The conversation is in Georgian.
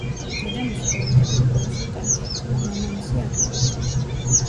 დედამისი პოლიტიკური კონსულტანტია, ხოლო მამამისი ადვოკატი.